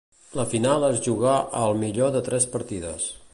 La final es jugà al millor de tres partides.